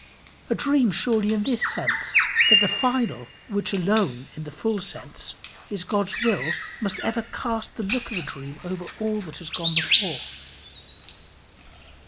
A dream surely in this sense, that the final, which alone, in the full sense, is God's will, must ever cast the look of a dream over all that has gone before.